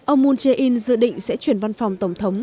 ông moon jae in dự định sẽ chuyển văn phòng tổng thống